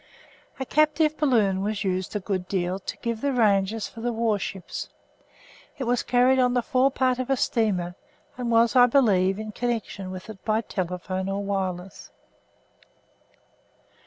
A captive balloon was used a good deal to give the ranges for the warships. It was carried on the forepart of a steamer and was, I believe, in connection with it by telephone or wireless.